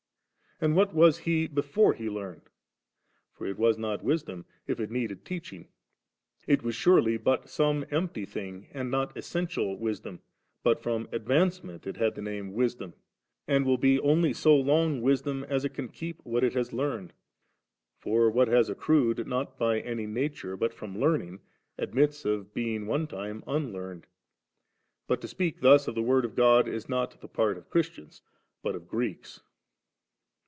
and what was He before He learned ? For it was not Wisdom, if it needed teaching ; it was surely but some empty thing,, and not essential Wisdom », but fi om ad vancement it had the name of Wisdom, and will be only so long Wisdom as it can keep what it has learned. For what has accrued not by any nature, but from learning, admits of bemg one time unlearned. But to speak thus of the Word of God, is not the part of Christians but of Greeks.